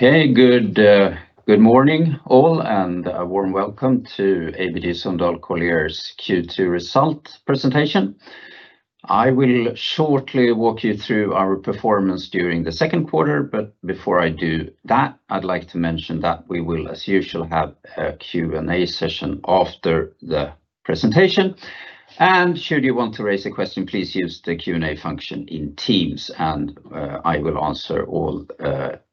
Okay, good morning all, a warm welcome to ABG Sundal Collier's Q2 result presentation. I will shortly walk you through our performance during the second quarter, but before I do that, I'd like to mention that we will, as usual, have a Q&A session after the presentation. Should you want to raise a question, please use the Q&A function in Teams and I will answer all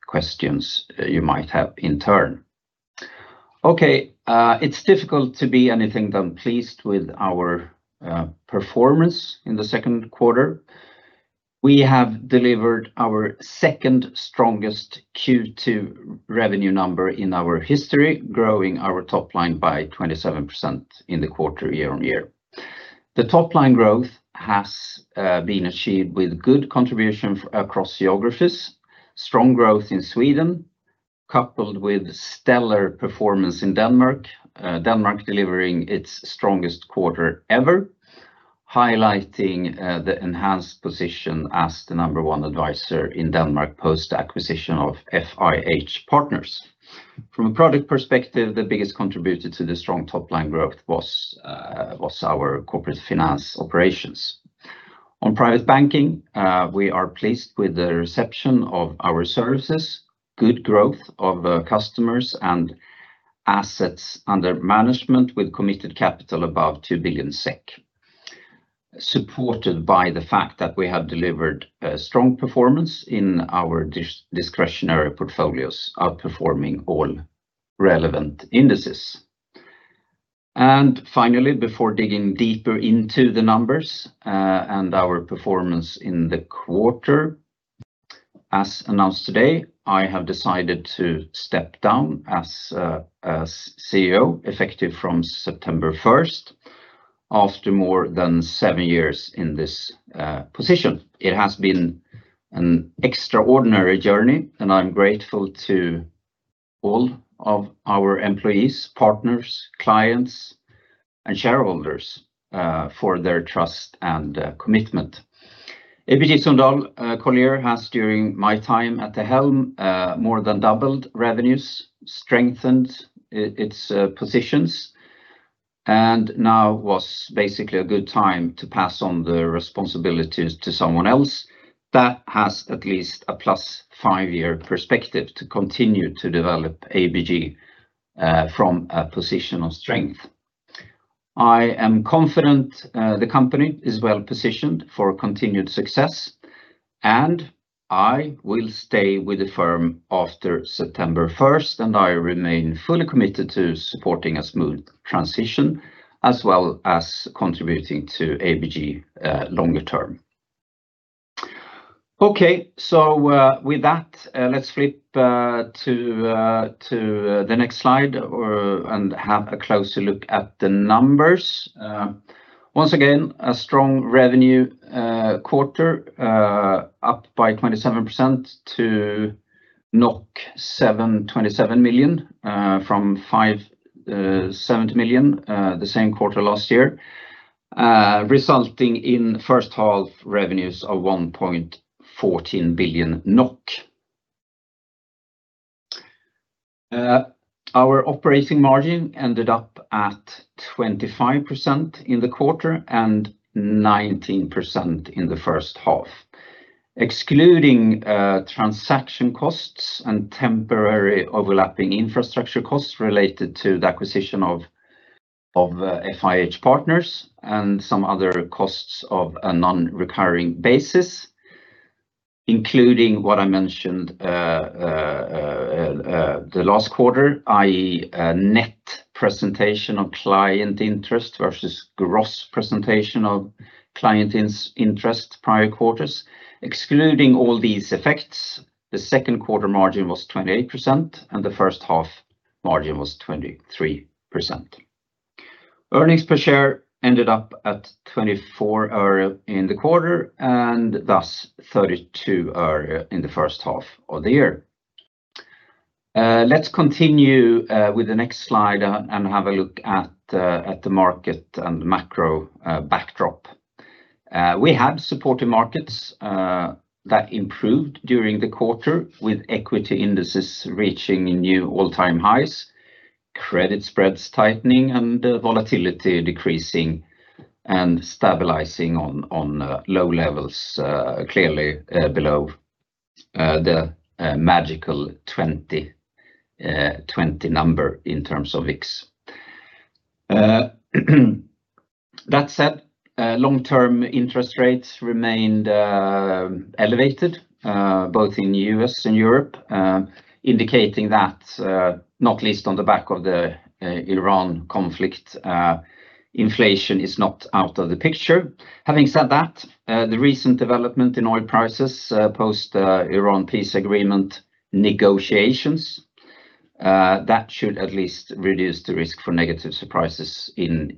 questions you might have in turn. Okay. It's difficult to be anything but pleased with our performance in the second quarter. We have delivered our second strongest Q2 revenue number in our history, growing our top-line by 27% in the quarter year-over-year. The top-line growth has been achieved with good contribution across geographies. Strong growth in Sweden, coupled with stellar performance in Denmark. Denmark delivering its strongest quarter ever, highlighting the enhanced position as the number one advisor in Denmark post-acquisition of FIH Partners. From a product perspective, the biggest contributor to the strong top-line growth was our Corporate Financing operations. On Private Banking, we are pleased with the reception of our services, good growth of customers, and assets under management with committed capital above 2 billion SEK, supported by the fact that we have delivered a strong performance in our discretionary portfolios, outperforming all relevant indices. Finally, before digging deeper into the numbers and our performance in the quarter, as announced today, I have decided to step down as CEO, effective from September 1st, after more than seven years in this position. It has been an extraordinary journey, I'm grateful to all of our employees, partners, clients, and shareholders for their trust and commitment. ABG Sundal Collier has, during my time at the helm, more than doubled revenues, strengthened its positions, now was basically a good time to pass on the responsibilities to someone else that has at least a plus five-year perspective to continue to develop ABG from a position of strength. I am confident the company is well-positioned for continued success, I will stay with the firm after September 1st, I remain fully committed to supporting a smooth transition, as well as contributing to ABG longer term. Okay, with that, let's flip to the next slide and have a closer look at the numbers. Once again, a strong revenue quarter, up by 27% to 727 million from 570 million the same quarter last year, resulting in first half revenues of 1.14 billion NOK. Our operating margin ended up at 25% in the quarter and 19% in the first half. Excluding transaction costs and temporary overlapping infrastructure costs related to the acquisition of FIH Partners, some other costs of a non-recurring basis, including what I mentioned the last quarter, i.e., net presentation of client interest versus gross presentation of client interest prior quarters. Excluding all these effects, the second quarter margin was 28%, the first half margin was 23%. Earnings per share ended up at NOK 0.24 in the quarter, thus NOK 0.32 in the first half of the year. Let's continue with the next slide and have a look at the market and the macro backdrop. We had supportive markets that improved during the quarter, with equity indices reaching new all-time highs, credit spreads tightening, and the volatility decreasing and stabilizing on low levels, clearly below the magical 20 in terms of VIX. That said, long-term interest rates remained elevated both in the U.S. and Europe, indicating that not least on the back of the Iran conflict, inflation is not out of the picture. Having said that, the recent development in oil prices post Iran peace agreement negotiations, that should at least reduce the risk for negative surprises in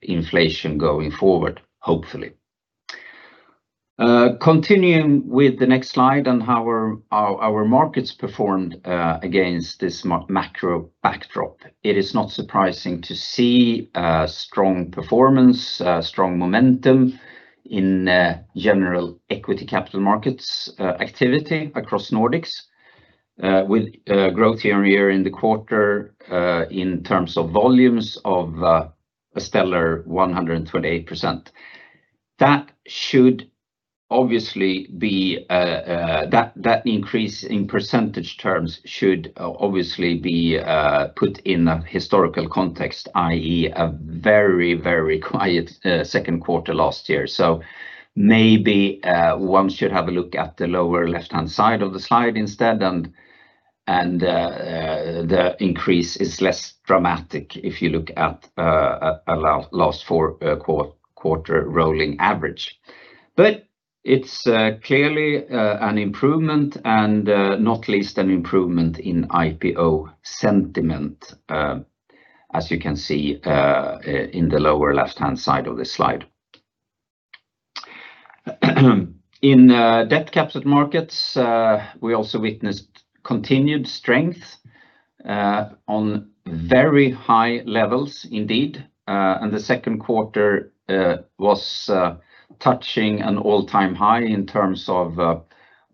inflation going forward, hopefully. Continuing with the next slide on how our markets performed against this macro backdrop. It is not surprising to see strong performance, strong momentum in general equity capital markets activity across Nordics with growth year-over-year in the quarter in terms of volumes of a stellar 128%. Maybe one should have a look at the lower left-hand side of the slide instead and the increase is less dramatic if you look at a last four quarter rolling average. It's clearly an improvement and not least an improvement in IPO sentiment, as you can see in the lower left-hand side of this slide. In debt capital markets, we also witnessed continued strength on very high levels indeed. The second quarter was touching an all-time high in terms of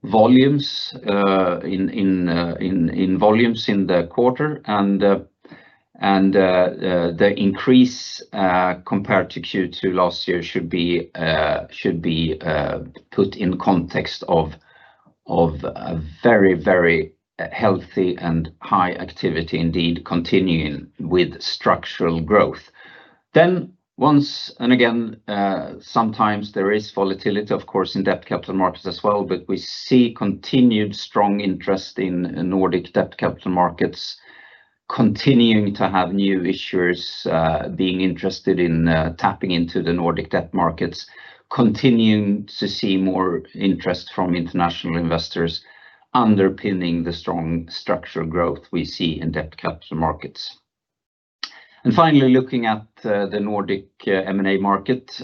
volumes in the quarter and the increase compared to Q2 last year should be put in context of a very, very healthy and high activity indeed, continuing with structural growth. Once and again, sometimes there is volatility, of course, in debt capital markets as well, but we see continued strong interest in Nordic debt capital markets continuing to have new issuers being interested in tapping into the Nordic debt markets, continuing to see more interest from international investors underpinning the strong structural growth we see in debt capital markets. Finally, looking at the Nordic M&A market,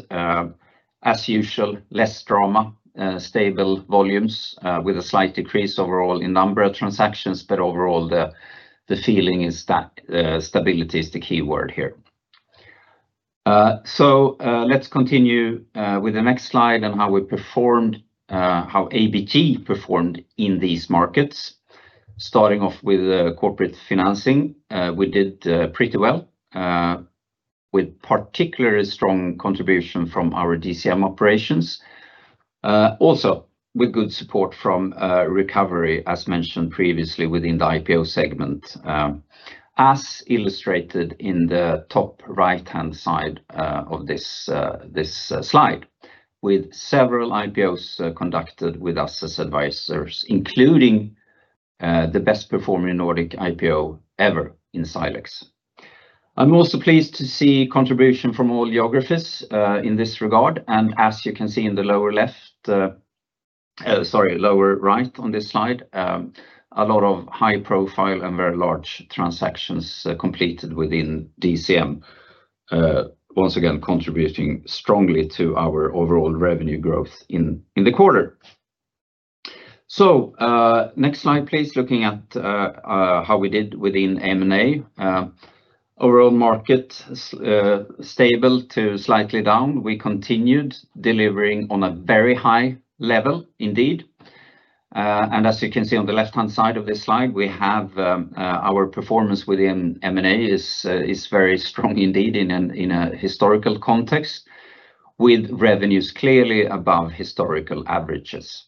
as usual, less drama, stable volumes with a slight decrease overall in number of transactions, but overall the feeling is that stability is the key word here. Let's continue with the next slide on how we performed, how ABG performed in these markets. Starting off with Corporate Financing we did pretty well with particularly strong contribution from our DCM operations. Also with good support from recovery, as mentioned previously within the IPO segment, as illustrated in the top right-hand side of this slide with several IPOs conducted with us as advisors, including the best performing Nordic IPO ever in Silex. I'm also pleased to see contribution from all geographies in this regard. As you can see in the lower right on this slide, a lot of high profile and very large transactions completed within DCM. Once again, contributing strongly to our overall revenue growth in the quarter. Next slide, please. Looking at how we did within M&A. Overall market stable to slightly down. We continued delivering on a very high level indeed. As you can see on the left-hand side of this slide, we have our performance within M&A is very strong indeed in a historical context with revenues clearly above historical averages.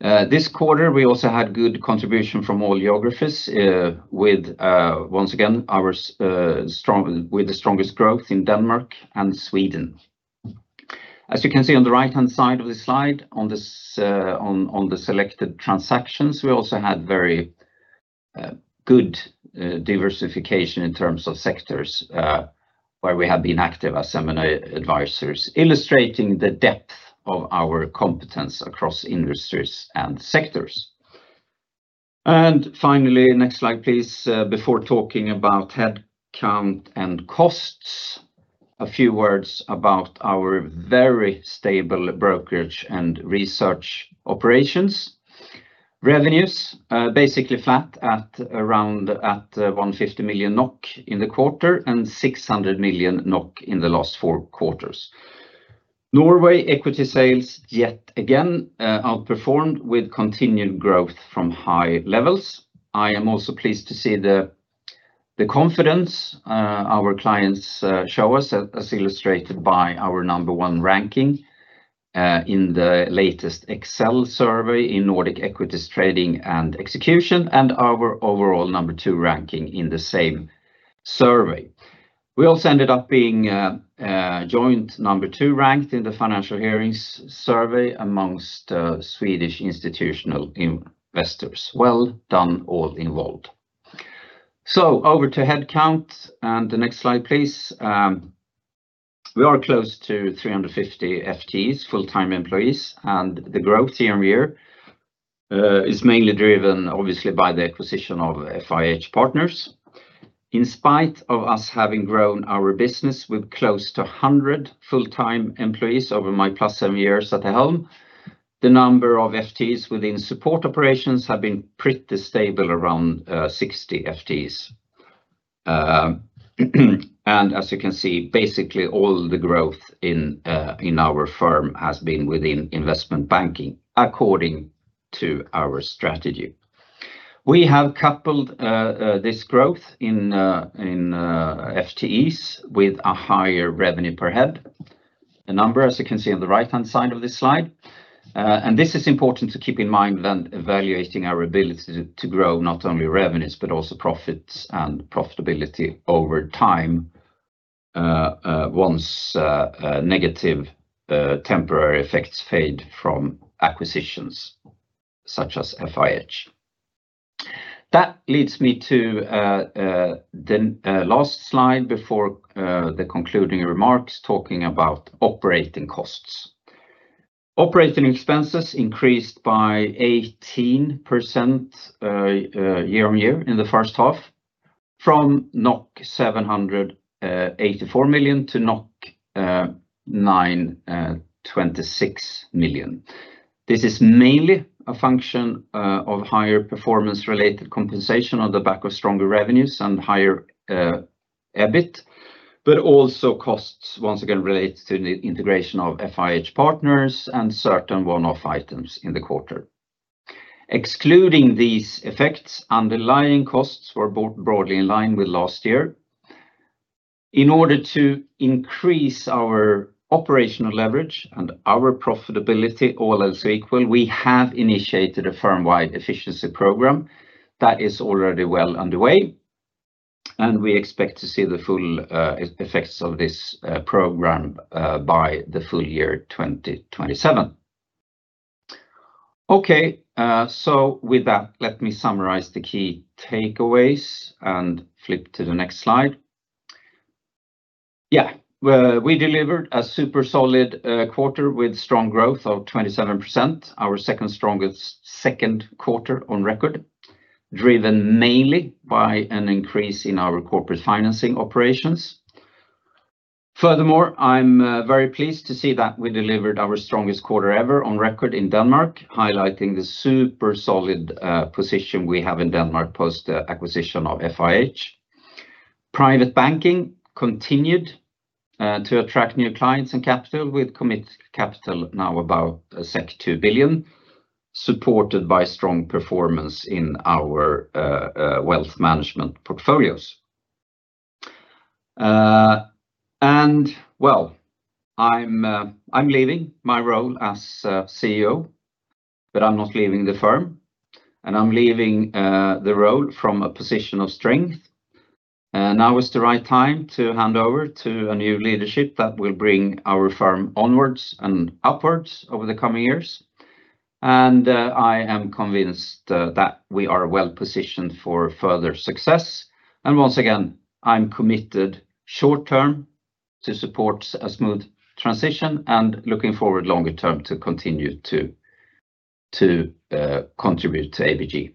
This quarter, we also had good contribution from all geographies once again with the strongest growth in Denmark and Sweden. As you can see on the right-hand side of this slide on the selected transactions we also had very good diversification in terms of sectors where we have been active as M&A advisors illustrating the depth of our competence across industries and sectors. Finally, next slide please before talking about headcount and costs, a few words about our very stable Brokerage and Research operations. Revenues basically flat at around 150 million NOK in the quarter and 600 million NOK in the last four quarters. Norway equity sales yet again outperformed with continued growth from high levels. I am also pleased to see the confidence our clients show us as illustrated by our number one ranking in the latest Extel survey in Nordic Equity Trading & Execution, and our overall number two ranking in the same survey. We also ended up being joint number two ranked in the Financial Hearings survey amongst Swedish institutional investors. Well done all involved. Over to headcount and the next slide, please. We are close to 350 FTEs, full-time employees, and the growth year-on-year is mainly driven, obviously, by the acquisition of FIH Partners. In spite of us having grown our business with close to 100 full-time employees over my plus seven years at the helm, the number of FTEs within support operations have been pretty stable, around 60 FTEs. As you can see, basically all the growth in our firm has been within investment banking according to our strategy. We have coupled this growth in FTEs with a higher revenue per head. The number, as you can see on the right-hand side of this slide. This is important to keep in mind when evaluating our ability to grow not only revenues, but also profits and profitability over time once negative temporary effects fade from acquisitions such as FIH. That leads me to the last slide before the concluding remarks, talking about operating costs. Operating expenses increased by 18% year-on-year in the first half from 784 million to 926 million. This is mainly a function of higher performance-related compensation on the back of stronger revenues and higher EBIT, but also costs once again related to the integration of FIH Partners and certain one-off items in the quarter. Excluding these effects, underlying costs were both broadly in line with last year. In order to increase our operational leverage and our profitability all else equal, we have initiated a firm-wide efficiency program that is already well underway, and we expect to see the full effects of this program by the full year 2027. Okay. With that, let me summarize the key takeaways and flip to the next slide. We delivered a super solid quarter with strong growth of 27%, our second strongest second quarter on record, driven mainly by an increase in our Corporate Financing operations. I'm very pleased to see that we delivered our strongest quarter ever on record in Denmark, highlighting the super solid position we have in Denmark post-acquisition of FIH. Private Banking continued to attract new clients and capital, with committed capital now about 2 billion, supported by strong performance in our wealth management portfolios. Well, I'm leaving my role as CEO, but I'm not leaving the firm. I'm leaving the role from a position of strength. Now is the right time to hand over to a new leadership that will bring our firm onwards and upwards over the coming years. I am convinced that we are well-positioned for further success. Once again, I'm committed short-term to support a smooth transition and looking forward longer term to continue to contribute to ABG.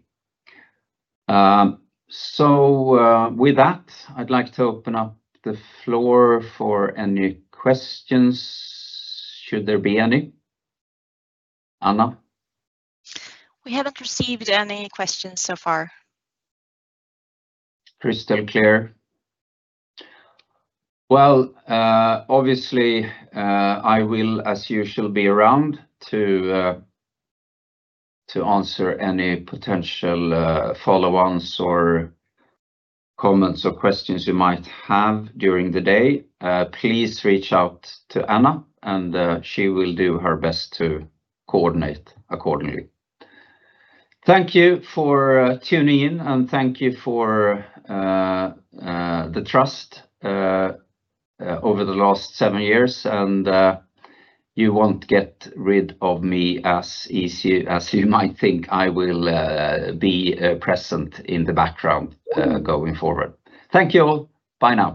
With that, I'd like to open up the floor for any questions should there be any. Anna? We haven't received any questions so far. Crystal clear. Well, obviously, I will, as usual, be around to answer any potential follow-ons or comments or questions you might have during the day. Please reach out to Anna, she will do her best to coordinate accordingly. Thank you for tuning in. Thank you for the trust over the last seven years. You won't get rid of me as easy as you might think. I will be present in the background going forward. Thank you all. Bye now.